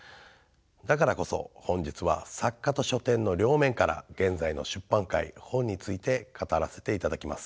だからこそ本日は作家と書店の両面から現在の出版界本について語らせていただきます。